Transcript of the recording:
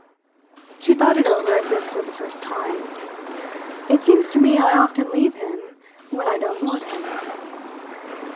She thought it over as if for the first time. "It seems to me I often leave him when I don't want him."